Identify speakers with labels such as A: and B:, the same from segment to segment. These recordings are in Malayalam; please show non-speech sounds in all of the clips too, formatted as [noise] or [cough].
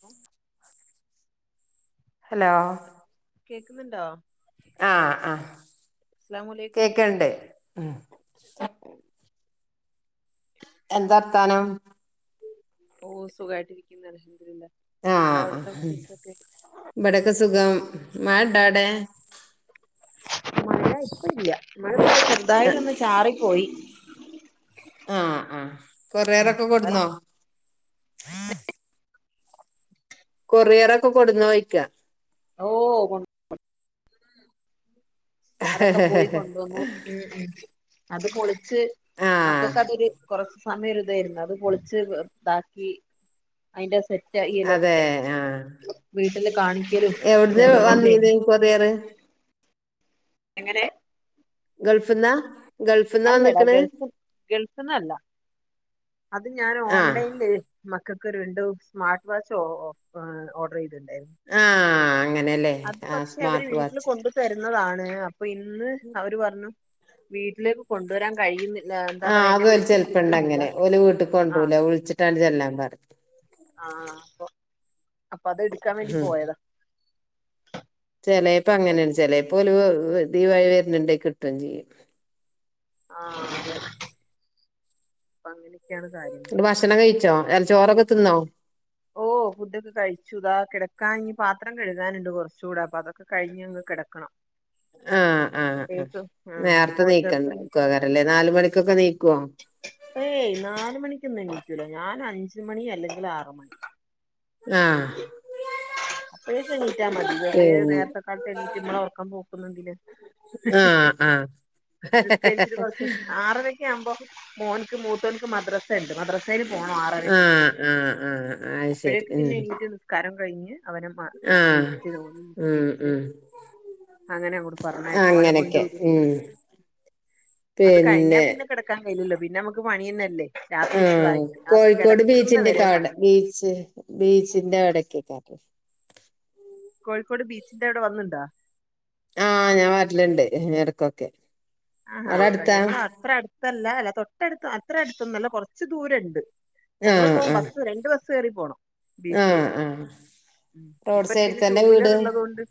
A: ഹം
B: ഹലോ
A: കേൾക്കുന്നുണ്ടോ
B: ആഹ ആഹ
A: അസ്സലാമുഅലൈക്കും
B: കേക്കണ്ട് എന്താ അർഥാനം
A: ഇപ്പ സുഖമായിട്ടിരിക്കുന്ന അ എന്
B: ആഹ വടക്ക് സുഖം മാടാടെ
A: മഴ ഇപ്പ ഇല്ലഴ ശ്രദ്ധായിട്ട്ൊന്ന് ചാറിപ്പോയി ഉ
B: ആഹ ആഹ കൊററൊക്കെ കൊടന്നോ കൊറിയറൊക്കെ കൊടുന്ന്ോഴിക്ക
A: ഓ അതൊക്കെ പോയി കൊണ്ടുവന്നു ഉ അത് പൊളിച്ച്
B: ആഹ്
A: മക്കൾക്ക് അതൊരു കുറച്ച് സമയം ഒരുരിതായിരുന്നു അത് പൊളിച്ച് ഇതാക്കി അതിറെ സെറ്റ്
B: അതെ
A: ലക്കെ
B: ആഹ്
A: വീട്ടില് കാണിക്കലും
B: എവിടുന്ന്
A: ജബോ
B: വന്നീന്ന് കൊറിയറ്
A: എങ്ങനെ
B: ഗൾഫ്ന്നാ ഗൾഫ്ന്നാ
A: അല്ലടാ
B: വന്ന്ക്ക്ണ്
A: ഗേൾസ് ഗേൾസന്ന അല്ല അത് ഞാൻ
B: ആഹ്
A: ഓൺലൈനിൽ ഇൊ രണ്ട് സ്മാർട്ട് വാച്ച് ഓർഡർ ചെയ്തു
B: ആഹ
A: അത് പക്ഷെ അവര് വീട്ടിൽ കൊണ്ടു തരുന്നതാണ് [unintelligible] അപ്പൊ ഇന്ന് അവര് പറഞ്ഞു വീട്ടിലേക്ക് കൊണ്ടുവരാൻ കഴിയുന്നില്ല എന്താ
B: ആഹ
A: പറയാ എന്നെ
B: അത്
A: വിളിച്ചിട്ട്
B: ചെലപ്പണ്ട്
A: കിട്ടുന്നില്ല
B: അങ്ങനെ ഓല് വീട്ടിൽ
A: ആഹ്
B: കൊണ്ടൂല ഒഴിച്ചിട്ടാണ് ചെല്ലാൻ പറയ്
A: ആഹ് അപ്പൊ അപ്പൊ അത് എടുക്കാൻ വേണ്ടി പോയതാ
B: ചെലപ്പ
A: അപ്പൊ
B: അങ്ങനെയണ്ട് ചെലപ്പോല നീവഴി വരരുന്നുണ്ടെ കിട്ടുകയും ചെയ്യും
A: ആ അതെ അങ്ങനെ
B: ഭക്ഷണം കഴിച്ചോ അല്ല ചോറൊക്കെ തിന്നോ
A: ഓ ഫുഡൊക്കെ കഴിച്ചു ഇതാ കിടക്കാൻ പാത്രം കഴുകാനുണ്ട് കുറച്ചൂടെ അപ്പൊ അതൊക്കെ കഴിഞ്ഞ് കിടക്കണം
B: ആ ആ ആ
A: അപ്പേക്ക് ആഹ്
B: നേരത്തെ
A: മോ ചെറുതിന്
B: നീക്കണ്ടല്ലേ നാല് മണിക്കൊക്കെ നീക്കുവോ
A: ക്കൊന്നും എണീക്കൂല ഞാൻ അഞ്ച് മണി അല്ലെങ്കിൽ ആറ് മണി
B: ആ
A: അപ്പഴേക്കും എണീറ്റാ മതി വെറുതെ നേരത്തെ കാലത്ത് എണീറ്റ് നമ്മളെ ഉറക്കം പോക്കുന്നെന്തിനാ
B: ആഹ് ആഹ്
A: നിസ്കരിച്ചിട്ട് കുറച്ച് ആറരക്കൊ ആവുമ്പോ മോ മൂത്തോൻക്ക് മദ്രസ ഉണ്ട് മദ്ര സേല് പോണം ആറരക്ക്
B: ആഹ് ആഹ് ആഹ് അത് ശരി
A: അപ്പോഴേക്ക്
B: ഉം
A: പിന്നെ എനിക്ക് നിസ്കാരം കഴിഞ്ഞ് അവനെ മാ
B: ആഹ്
A: എണീപ്പിച്ച്
B: ഉം
A: തോന്നികരിച്ച്
B: ഉം
A: അങ്ങനെ അങ്ങട് പറഞ്ഞയക്കും അവനെ
B: അങ്ങനെയൊക്കെ
A: കൊണ്ടവിടും
B: ഉം
A: അത് കഴിഞ്ഞാ പിന്നെ കിടക്കാൻ കഴിയുല്ലോ പിെ പിന്നെ നമക്ക് പണി തന്നല്ലേ
B: ആ കോഴിക്കോട് ബീച്ചിന്റെക്കെ
A: വരെ
B: അവിടെ
A: പണി
B: ബീച്ച് ബീച്ചിന്റെ അവിടക്കക്കായിട്ട്
A: കോഴിക്കോട് ബീച്ചിന്റെ അവിടെ വന്നിട്ടുണ്ടാ
B: ആ ഞാൻ വരലുണ്ട് ഇടക്കൊക്കെ
A: ആഹാ
B: അവിടെ അടുത്താ
A: ഞങ്ങള് അത്ര അടുത്തല്ല അല്ല തൊട്ട തൊട്ടടുത്ത അത്ര അടുത്തൊന്നല്ല കുറച്ച് ദൂരം ഉണ്ട്
B: ആ
A: ഞങ്ങള് പോവും
B: ആ
A: ബസ് രണ്ട് ബസ് കേറി പോണം
B: ആ
A: ബീച്ചിലേക്ക്
B: ആ റോഡ്
A: ഇപ്പ
B: സൈഡിൽ
A: പിന്നെ ടു
B: തന്നെ
A: വീലർ
B: വീട്
A: ഉള്ളത് കൊണ്ട്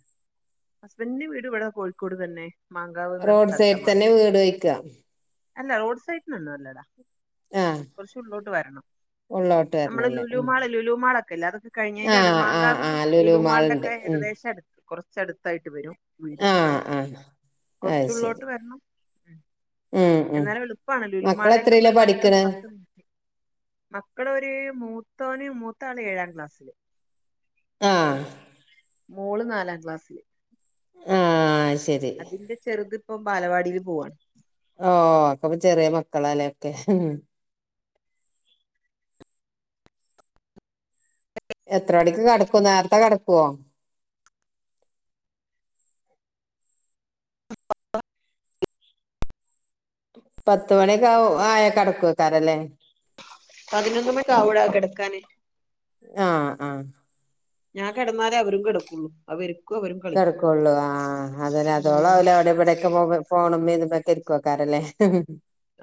A: ഹസ്ബൻഡിന്റെ വീട് ഇവിടെ കോഴിക്കോട് തന്നെ മാങ്കാവ് ന്ന
B: റോഡ്
A: സ്ഥ
B: സൈഡിൽ തന്നെ വീട് വയ്ക്കുക
A: അല്ല റോഡ് സൈഡിലൊന്നും അല്ലടാ
B: ആ
A: കൊർചുള്ളോ ട്ട് വരണം
B: ഉള്ളോട്ട്
A: അമ്മളെ
B: വരണല്ലേ
A: ലുലു
B: ഉം
A: മാള് ലുലുമാളൊക്കെല്ലെ അതൊക്കെ
B: ആ
A: കഴിഞ്ഞയ്ന്റെ അട്
B: ആ
A: മാങ്കാവി
B: ആ
A: ലുലു മാൾന്റെ
B: മാളുണ്ട്
A: ഒക്കെ ഏകദേശം അടുത്ത് കൊർ ചടുത്തായിട്ട് വരും വീട്
B: ആഹ് ആഹ് അ
A: കുറച്ചുള്ളോട്ട്
B: ശരി
A: വരണം ഉം
B: ഉം ഉം
A: എന്നാലു എളുപ്പാണ ലുലു മാൾലേക്കൊക്കെ
B: മക്കളെത്രയിലാ
A: ഒരു പത്ത്
B: പഠിക്കണെ
A: പത്ത് മിനി മക്കളൊരു മൂത്തോന് മൂത്താള് ഏഴാം ക്ലാസ്സ്
B: ആഹ്
A: മൂള് നാലാം ക്ലാസ്സില്
B: ആഹ്
A: അതിന്റെ ചെറുത് ഇപ്പൊ ബാലവാടീല് പോവാണ്
B: ഓ ഒക്കപ്പ ചെറ്യ മക്കളാല്ലേ ഒക്കെ എത്ര മണിക്ക് കടക്കു നേർത്തെ കടക്കുവോ പത്ത് മണ്യൊക്കാവു ആയാ കടക്കുവാക്കാരല്ലേ
A: പതിനൊന്ന്മക്ക് ആവുടാ കെട്ക്കാന്
B: ആഹ് ആഹ്
A: ഞാൻ കെടന്നാലേ അവരും കെട്ക്കുള്ളൂ അവര്
B: കിടക്കുള്ളൂ ആ അതന്നെ അതോളോ
A: ഉം
B: ഓലവ്ടെ ഇവിടൊക്കെ മൊബ ഫോണമ്മി ഇതി കിരിക്കോക്കാരല്ലേ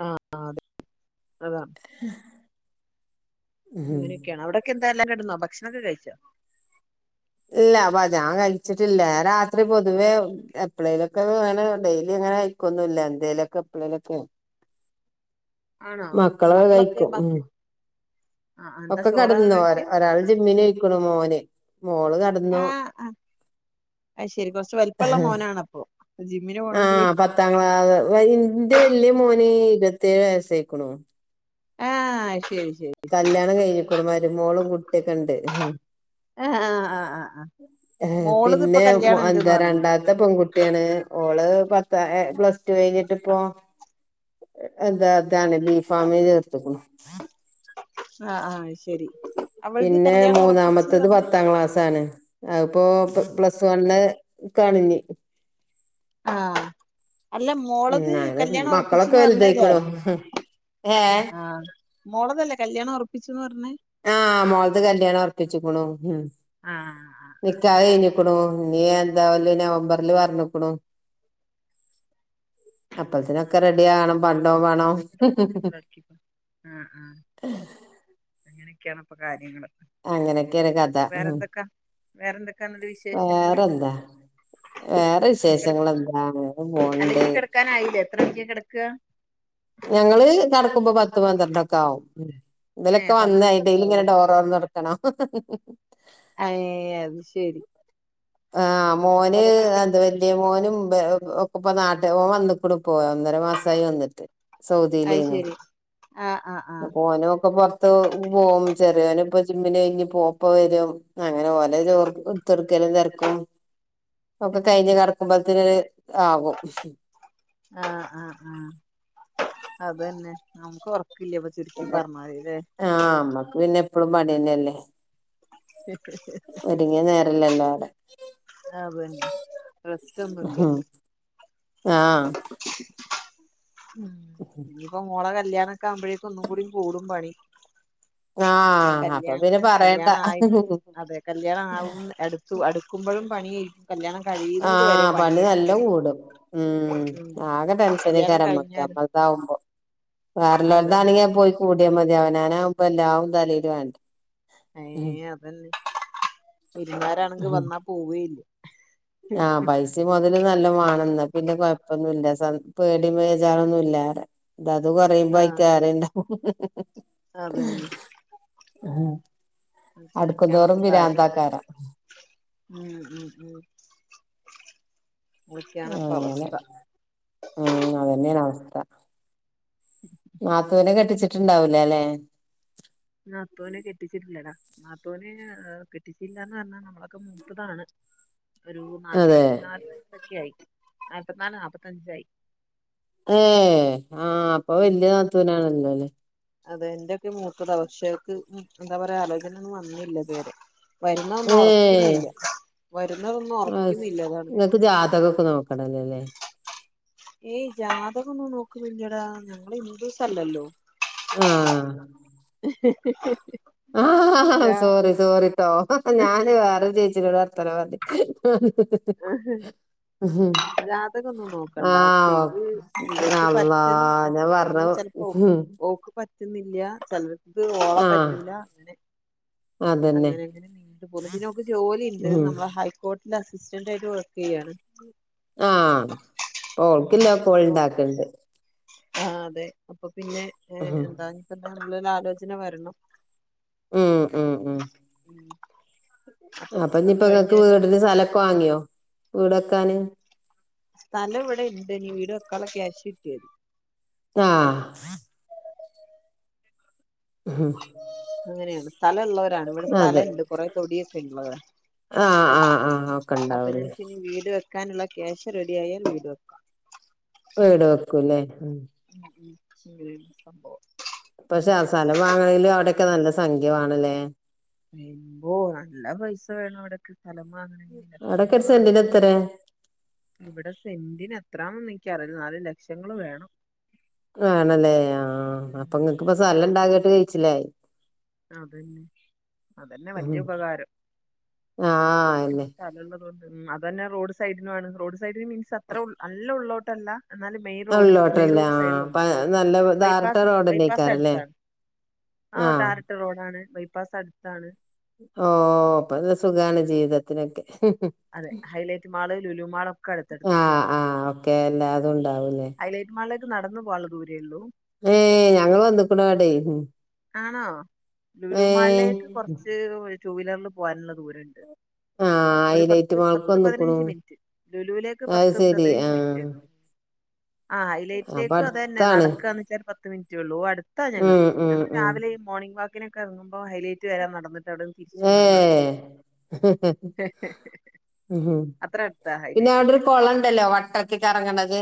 A: ആഹെ അതെ അതാ
B: ഉം
A: ഇങ്ങനൊക്ക്യാണ് അവിടൊക്കെ ന്താ എല്ലാം കെട്ന്നോ ഭക്ഷ്ണൊക്കെ കഴിച്ചോ
B: ഇല്ല അപ്പ ഞാൻ കഴിച്ചി ട്ടില്ല ഞാ രാത്രി പൊതുവേ എപ്പഴേലൊക്കെ വേണ ഡെയിലി അങ്ങനെ അയിക്കൊന്നുല്ല എന്തേലൊക്കെ എപ്പ്ളേലൊക്കെ
A: ആണോ
B: മക്കളൊക്കെ കഴിക്കും
A: ഭ
B: ഉം
A: ആ ആ എന്താ
B: ഒക്കെ
A: ചോറാണോ
B: കെടന്നു
A: കഴിക്ക
B: ഒരാള് ജിമ്മിനൊയ്ക്ക്ണു മോന് മോള് കടന്നു
A: ആ ആ അത് ശരി കൊറച്ച് വലിപ്പള്ള മോനാണപ്പൊ ജിമ്മിന് പോണെങ്കില്
B: ആഹ് പത്താം ക്ലാ ഇൻ്റെ വെല്ല്യെ മോനി ഇരുത്തേഴ് വൈസായ്ക്ക്ണു
A: ആഹ് ശരി ശരി ശരി
B: കല്യാണം കഴിഞ്ഞിക്ക്ണു മരുമോളും കു ട്ട്യൊക്കെണ്ട്
A: ആ ആ ആ ആ ആ
B: ഏ
A: മോളത് ഇപ്പൊ
B: പിന്നെ
A: കല്യാണം ഇണ്ട്ന്ന്
B: എന്താ
A: പറഞ്ഞു
B: രണ്ടാത്തെ പെങ്കുട്ട്യാണ് ഓള് പത്ത എ പ്ലസ് ടു കഴിഞ്ഞിട്ടിപ്പോ എന്താ ഇതാണ് ബീഫ് ഫാമിന് ചേർത്ത്ക്കിണു
A: ആ ആഹ് ശരി അവളത്
B: പിന്നെ
A: കല്യാണം ഉറപ്പിച്ച്
B: മൂന്നാമത്തത്
A: പറഞ്ഞ്
B: പത്താം ക്ലാസാണ് അതിപ്പോ പ്ലസ് [unintelligible]
A: ആ അല്ല മോളത്
B: ഉം അങ്ങനെ
A: കല്യാണം
B: മക്കളൊക്കെ
A: ഉറപ്പിച്ച്ന്ന് പർഞ്ഞല്ലേ
B: വലുതായിക്കണു ഏ
A: ആ മോള കല്യാണം ഉറപ്പിചൂന്ന് പറഞ്ഞെ
B: ആ മോൾത് കല്യാണം ഉറപ്പിച്ച്ക്കുണു ഉം
A: ആ ആ ആ ആ
B: നിക്കാഹ് കഴിഞ്ക്കുണു ഇനി എന്താവല് നവംബർല് പറഞ്ക്കുണു അപ്പത്തിനൊക്കെ റെഡി ആകണം പൺടോം പണോം
A: [unintelligible] അ ആ ക്കെയാണ് ഇപ്പം കാര്യങ്ങൾ
B: അങ്ങനെക്കെണ് കഥ
A: വേറെന്ത
B: വേറെന്താ വേറെ വിശേഷങ്ങളെന്താ ണ്
A: അല്ലെങ്കി കിടക്കാനായില്ലേ ഇത്ര ണിക്കാ കെടക്ക
B: ഞങ്ങള് കടക്കുമ്പോ പത്ത് പന്ത്രണ്ട് ഒക്കെ ആവും
A: ഏ
B: ഇതിലൊക്കെ വന്നായ്
A: പന്ത്രണ്ടൊക്കെ
B: ഡെയ്ലി
A: ആവൂലേ
B: ഡോർ [unintelligible] [unintelligible]
A: അയ് അത് ശരി
B: ആ
A: അപ്പൊ
B: മോന്
A: അതൊക്കൊക്കെ
B: എന്ത് വലിയ മോനും ഒക്കെ ഇപ്പം നാ ഓൻ വന്നേക്ണുപ്പോ ഒന്നര മാസായി വന്ന്ട്ട്
A: അത്
B: സൗദിയിലേനു.
A: ശരി ആഹ് ആഹ് ആഹ്
B: ഓനുഒക്കെ പൊർത്ത് പോവും ചെറിയോന് പ്പം ജിമ്മിന് കഴിഞ്ഞ് പോപ്പ വരും അങ്ങനെ ഒരേ ച്ചോറ് ഇട്ത്ത് ഒട്ക്കലും തെരക്കും ഒക്കെ കഴിഞ്ഞ് കേടക്കുമ്പത്തിന് ആകും
A: അത്ന്നെ നമുക്കോപ്പം ല്ലിപ്പം ചുരുക്കി പറഞ്ഞാല് ലെ
B: ആഹ് അമ്മക്ക് പിന്നെ എപ്പളും പണി ന്നെല്ലേ ഒരിങ്ങിയ നേരം ഇല്ലല്ലോ
A: ആ ബെൻ [unintelligible]
B: ആ
A: ഉം ഇനിപ്പം മോളെ കൽ ഇല്ല്യാ ഒക്കെയാവുമ്പയേക്ക് ഒന്നും കൂടി കൂടും പണി
B: ആഹ് അപ്പൊ
A: കല്യാണം
B: പിന്നെ പറയണ്ട
A: കല്യാണ ആയിട്ട് അതെ കല്യാണം ആവും എട്ക്കു എട്ക്കുമ്പോഴും പണിയേയ്
B: ആഹ് പണി നല്ലം കൂടും. ഊം
A: ഉം
B: ആകെ
A: കല്യാണം
B: ടെൻഷനേകാരം ഞമ്മക്ക്
A: കഴിഞ്ഞാലും
B: നമ്മൾതാവുമ്പം.
A: അതന്നെ
B: വേറെല്ലോൽതാണെങ്കി പോയി കൂടിയാ മതി. അവനാനാവ് ഇപ്പല്ലാവും തലേലു ആവണ്ടെ.
A: ഏഹ് അതെന്നെ. വിര്ന്നാരാണെങ്കി വന്നാ പോവെയില്ല.
B: ആ പൈസിം മൊതലും നല്ലോം വാണം ന്നാ പിന്നെ കൊഴപ്പൊന്നും ഇല്ല സത് പേടിം വേചാറൊന്നുല്ലാ റ്യാ. ഇതത് കൊറയുമ്പോ
A: ആഹ്
B: അയ്ക് ആരേണ്ടാവും.
A: അതന്നെ
B: ആ
A: അങ്ങിനൊക്കാണപ്പൊ കാര്യങ്ങള് ഉം ഉം ഉം അതൊക്കെയാണ് ഇപ്പൊ
B: അങ്ങനെ
A: അവസ്ഥ
B: ഉം അതന്നെണ് അവസ് സ്ഥ നാത്തൂനെ കെട് ട്ടിച്ചിട്ടുണ്ടാവൂല ലെ
A: നാത്തൂനെ കെട്ടിച്ചിട്ടില്ലെടാ നാത്തൂനെ എ കെട്ടിച്ചില്ലാന്ന് പറഞ്ഞ നമ്മളൊക്കെ മൂത്തതാണ് ഒരു
B: അതെ
A: നാല്പത്തിനാല് വയസ്സൊക്കെ ആയി നാല്പത്തിനാല് നാപ്പത്തഞ്ചായി
B: ഏ ആ അപ്പൊ വെല്യ നാത്തൂനാണല്ലോ ലെ
A: അതെ എന്റെക്കെ മൂത്തതാ പക്ഷെ ഓക് എന്താ പറയാ ആലോചനൊ ന്നും വന്നില്ല ഇതു വെരെ
B: ഏ
A: വരുന്നതൊന്നും
B: ആസ്
A: ഉറക്കുന്നില്ല അതാണ്
B: ങ്ങക്ക് ജാതകൊക്കെ നോക്കണല്ലേ ല്ലേ
A: ഏയ് ജാതകൊന്നും നോകുന്നില്ലെടാ ഞങ്ങള് ഇന്ദുസ് അല്ലല്ലോ
B: ആ ആഹ് ഹാ ഹാ
A: ജാ
B: സോറി സോറിട്ടോ ഹ ഹ ഞാന് വേറോര് ചേച് [unintelligible] വർത്താനം [unintelligible]
A: ജാതകൊന്നും നോക്കണ്ട ക്ഷെ
B: ആഹ്
A: ഇത് ഇങ്ങക്ക്
B: ഓക്കെ അള്ളാ
A: പറ്റും
B: ഞാൻ പറഞ്ഞ
A: എന്ന് ചെൽപ്പോ ഓ ക്ക് ഓക്ക് പ ന്നില്ല ചെലർ ത് ഓളെ
B: ആഹ്
A: പറ്റൂല അങ്ങനെ
B: അതന്നെ
A: അങ്ങനെഅങ്ങനെ നീണ്ട്പോന്ന് പിന്നെ ഓക് ജോലിണ്ട്
B: ഉം
A: നമ്മളെ ഹൈക്കോ [unintelligible] അസ്റ്റന്റ് ആയിട്ട് വർക്ക്യ്യാണ്
B: ആഹ് പോ ഓൾക്കില്ലക്കോൾ
A: അപ്പൊ
B: ഇണ്ടാക്ക്ണ്ട്
A: ആ അതെ അപ്പൊ പിന്നെ ഏ [unintelligible] നല്ലൊരു ആലോചന വരണം.
B: ഉം ഉം ഉം
A: ഉം
B: അപ്പൊ
A: അത്
B: ഇഞ്ഞിപ്പ ഇങ്ങൾക്ക്
A: കഴിഞ്ഞാല്
B: വീടിന് സ്ഥലക്കെ വാങ്ങിയോ വീടക്കാന്?
A: സ്ഥലം ഇവിടെണ്ട്നി വീട വെക്കാള്ള ക്യാഷിട്ട്യാതി
B: ആ ഹ്
A: അങ്ങനേണ് സ്ഥലള്ള ആണ് ഇവിടെ സ്ഥലണ്ട് കൊറെ തൊടിയൊ [unintelligible] ളതാ
B: ആ ആ ആ ഒക്കെണ്ടാവുല്ലേ
A: ക്കാനിള്ള ക്യാഷ് റെഡി ആയാൽ വീട് വെക്കാ.
B: വീട് വെക്കുല്ലേ ഉം
A: ഉം സംഭവം
B: ഇപ്പൊ സ സല വാങ്ങണേല് അവ്ടെക്കെ നല്ല സംഖ്യ വാണല്ലേ?
A: എമ്പോ നല്ല പൈസ വേണം ഇവ്ടക്ക് സ്ഥലം വാങ്ങണെങ്കില്
B: അവിടൊക്കെ ഒരു
A: ലക്ഷങ്ങളാണ്
B: സെന്റിന് എത്രേ
A: ഇവിടെ സെന്റിന് എത്രാന്നന്നും ഇൻ ക്ക്റീല എന്നാല് ലക്ഷങ്ങള് വേണം
B: വേണല്ലേ ആ ഇപ്പ ഇങ്ങക്ക് പൊ
A: ഉം
B: സ്ഥല ഇണ്ടാക്കിട്ട് ചിലായി
A: ആതന്നെ അതന്നെ
B: ഉം
A: വല്യഉപകാരം
B: ആഹ്
A: മ്
B: അയന്നെ
A: സ്ഥലള്ളതോ ഉം അതന്നെ റോഡ് സൈഡിനുവാണ് റോഡ് സൈഡ് ന് മീൻസ് അത്ര ഉൾ നല്ല ഉള്ളോ ട്ടല്ലാ
B: അ ഉള്ളോട്ടല്ലാ ആ നല്ല ധാറ്ട്ട
A: ബൈപ്പാസ് ബൈപ്പാസ്
B: റോഡന്നൈക്കാരല്ലേ.
A: അടുത്താണ്
B: ആ
A: ആണ് ബൈപ്പാസടുത്താണ്.
B: ഓ പ്പല്ല സുഖാണ് ജീവിതത്തിനൊക്കെ.
A: അതെ ഹൈലേറ്റ്, മാള് ലുലു മാള് ഒക്കടുത്തടുത്താ
B: ക്കെ എല്ലാതുൻ
A: ഹൈലേറ്റ് മാള്ല് നടന്ന് പോകാൻള്ള ദൂരേള്ളൂ
B: ഏ ഞങ്ങള് വന്ന്ക്ക്ണവ് ടെ.
A: ആണോ ലുലൂ മാളിലേക്ക് കൊറച്ച് [unintelligible] ടു വീലറ്ല് പോവാൻള ദൂരംണ്ട്
B: ആഹ്
A: ഒരു പത്ത്
B: ഹൈലൈറ്റ് മാൾക്ക്
A: പത്ത്
B: വന്നിക്കണു
A: പതിനഞ്ച് മിൻറ്റ് ലുലുവിലേക്ക്
B: അത്
A: പത്ത്
B: ശരി
A: പതിനഞ്ച്
B: ആഹ്
A: മിൻറ്റെള്ളൂ. ആ
B: അപ്പൊ
A: ഹൈലേറ്റിലേക്കും അതന്നെ നടക്കാന് വെച്ചാ ഒരു പത്ത് മിൻ ലുളു അടു
B: ഉ ഉം ഉം
A: രാവിലെയും മോർണിംഗ് വാക്കിനക്കെ ഇറങ്ങുമ്പോ ഹൈലൈറ്റ് വരാൻ നടന്നട്
B: ഏ
A: അത്ര അടുത്താ
B: പിന്നെ
A: ഹൈലൈറ്റ്
B: അവിടെരു
A: ഒക്കെ
B: കൊളെണ്ടല്ലോ വട്ടക്കി കറങ്ങണത്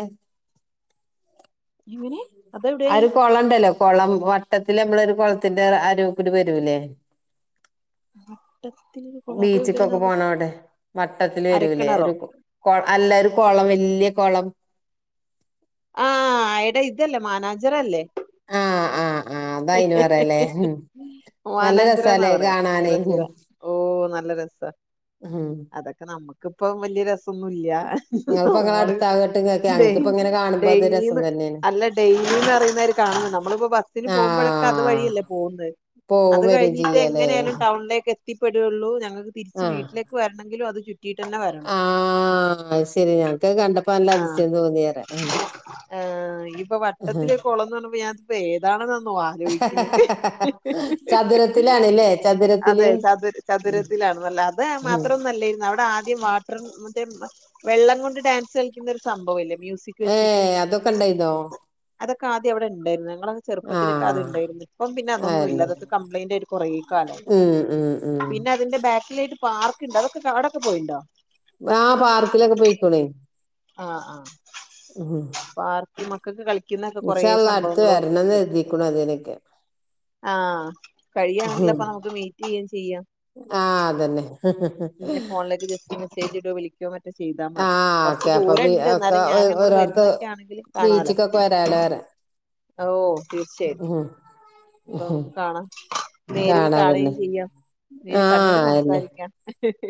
A: എങ്ങനെ അതെവിടെ
B: ആ ഒരു കൊളം എണ്ടല്ലോ കൊളം വട്ടത്തിൽ നമ്മളരു കുളത്തിന്റെ അരുക്കൂടി വരൂല്ലേ
A: വട്ടത്തിനൊരു കൊളം
B: ബീച്ചക്കൊക്കെ
A: അതെവിടെയാണാവോ
B: പോണം അവിടെ വട്ടത്തില് വരൂല്ലേ
A: അരക്കിണറോ
B: ഒരു അല്ല ഒരു കൊളം വല്യ കൊളം
A: ആ ആയിട ഇതല്ലേ മാനാജർ അല്ലേ
B: ആഹ് ആഹ് ആഹ് അതയിന് പറയലേ ഉം നല്ല
A: വാനാഞ്ചിറ എന്നാ
B: രസാലേ
A: പറയാ ചിറ
B: കാണാനേ
A: ചിറ
B: ഉം
A: ഓ നല്ല രസ
B: ഉം
A: അതൊക്കെ നമ്മക്ക് ഇക്ക്‌ വലിയ രസം ഒന്നുമില്ല
B: നിങ്ങളിപ്പോ ഇങ്ങളെ
A: നമ്മള്
B: അടുത്താകട്ട് ഇങ്ങക്ക് ഞങ്ങക്കിപ്പ ഇങ്ങനെ കാണുമ്പോ അത്
A: ഡെിയ്
B: രസം തന്നെയാണ്
A: അല്ല ഡെയിലി ന്ന്റയുന്ന കാണ നമ്മളിപ്പോ ബസി ഇവടെ അത്
B: ആഹ്
A: വഴിയല്ലേ പോുന്നത്
B: പോവും
A: അത്
B: വരും
A: കഴിഞ്ഞിട്ട്
B: ചെയ്യലേ
A: എങ്ങനാലും ടൗണിലേ എത്തിപ്പെടള്ളൂ ഞങ്ങക്ക് ത്തിരിച്ച് വീട്ടിലേക്ക് വരണെങ്കിലും അത് ചുറ്റിയിട്ട് തന്നെ വരണം
B: ആ ശരി ഞങ്ങക്ക് കണ്ട
A: ആ ആ. ഇപ്പൊ വട്ടത്തില കുളംന്ന് പറഞ്ഞപ്പോൾ ഞാൻ ഇപ്പൊ ഏതാ ആലോചിക്കുന്നത്
B: ചതുരത്തിലാണ്ല്ലേ ചതുരത്തില്
A: അതെ
B: ഉം
A: ചതുരത്തിലണല്ല അത്
B: ഉം
A: മാത്രംന്നല്ലയി രുന്ന അവിടെ വാട്ട മ വെള്ളം കൊണ്ട് ഡാൻസ് ുന്ന ഒരു സംഭവംല്ലേ
B: ഏ അതൊക്കെ ഇണ്ടായിതോ
A: അതൊക്കെ ആംവിടെണ്ടായിുന്ന ചെപ്പത്തിലൊക്കെ
B: ആഹ്
A: അണ്ടായി ഇപ്പ പിന്നെ അതൊന്നും ഇല്ല
B: അതന്നെ
A: അതൊെ കംപ്ലയിന്റ്റക്കാല
B: ഉം ഉം ഉം
A: പിന്നെ അതി യിട്ട് പാർക്കണ്ട് അതൊെ കാടൊക്കെ പോയിുണ്ടോ
B: ആ പാർക്കിലൊക്കെ പോയിക്കോണേ
A: ആ ആ
B: ആഹ
A: മക്കൾക്ക് കളിക്ക
B: ഇൻഷാ അള്ളാഅടുത്ത് വരണംന്ന് എഴുതിക്കണ അതിനനൊക്കെ
A: ആഹ് കഴിയാണെങ്കിൽ അപ്പൊ നമുക്ക് മീറ്റ് ചെയും ചെയ്യാം
B: ആ അതന്നെ
A: ഇൻ്റെ ഫോണിലേക്ക് ജസ്റ്റ് മെസ്സേജ് ഇടോ വിളിക്യോ മറ്റൊ ചെയ്താ
B: ആ
A: മതി കൊറച്ചു
B: ഓക്കെ അപ്പൊ
A: ദൂരണ്ട്
B: ഒക്കെ
A: എന്നാലും ഞാനും അങ്ങോട്
B: ഒരോടത്ത്
A: വരുന്നൊക്കെ ആണെങ്കിൽ കാണാലോ
B: ബീച്ചിക്കൊക്കെ വരാലോ പറയാ
A: ഓ തീർച്ചയായിട്ടും അപ്പൊ നമുക്ക് കാണാം നേരിൽ
B: കാണാതന്നെ
A: കാണുകയും ചെയ്യാം നേരി
B: ആ
A: കണ്ട്
B: അതന്നെ
A: സംസാരിക്കാം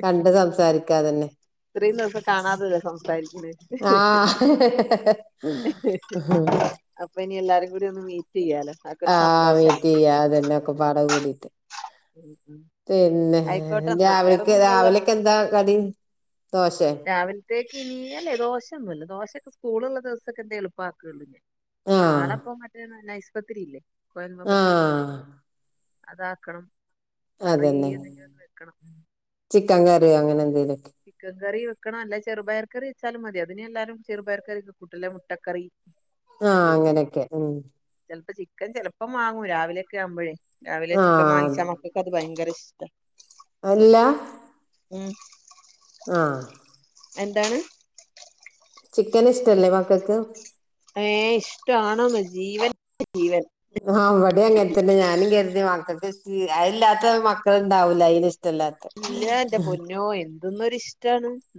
B: കണ്ട് സംസാരിക്കാതന്നെ
A: ഇത്രയും ദിവസം കാണാതല്ലേ സംസാരിക്ണേ
B: ആ
A: അപ്പൊ ഇനി എല്ലാർ ക്കും കൂടി ഒന്ന് മീ റ്റ് ചെയ്യാലോ അതൊക്കെ ഒരു സന്തോഷ
B: റ്റയ്യാ അതന്നെ ഒക്കെപാട കൂടിട്ട്
A: ഉം ഉം
B: പിന്നെ
A: ആയിക്കോട്ടെ എന്നാ
B: രാവിലക്ക്
A: വേറൊന്നുമില്ലല്ലോ
B: രാവിലെക്ക് എന്താ കടി ദോശേ
A: ത്തേക്ക് ഇനി അല്ലെ ദോശയൊന്നുല്ല ദോശൊക്കെ സ്കൂളുള്ള ദിവസൊക്കെ എന്താ എളുപ്പാക്കേള്ളു ഇഞ്
B: ആ
A: ആളപ്പം മറ്റേ നല്ല നൈസ് പത്തിരിയില്ലേ
B: ആ
A: കൊയല് [unintelligible] അതാക്കണം കറി എന്തെങ്കിലും ഒന്ന് വെക്കണം
B: ക്കൻകറിയോ അങ്ങനെ എന്തേലും
A: ചിക്കൻ കറി വ ക്കണം അല്ലേ ചെറുപയർകറി വെച്ചാലും മതി അതിനി എല്ലാരും ചെറുപയർകറി ക്ക കൂട്ടും ല്ലെ മുട്ടക്കറി
B: ആ അങ്ങനെയൊക്കെ മം
A: ക്കൻ ചിലപ്പം വാങ്ങും രാവിലെയൊക്കെ ആവുമ്പഴേ രാവിലെ ചിക്കൻ
B: ആഹ്
A: വാങ്ങിച്ചാ മക്കക്ക് അത് ഭയങ്കര ഇഷ് ട്ടാ ഉം
B: ആ
A: എന്താണ്
B: ചിക്കൻ ഇഷ്ടല്ലേ മക്കക്ക്
A: ഏഹ് ഇഷ്ടണോന്നോ ജീവൻ ജീവൻ
B: ആഹ് ഇവിടെയും അങ്ങൻതന്നെ ഞാനും കരുതി മക്ക [unintelligible] അതില്ലാത്ത മക്കളുണ്ടാവുല അയിനി
A: ഇല്ല എൻ്റെ പൊന്നോ എ ന്ത്ന്നൊരു ഇഷ്ടാണ് ഇന്ന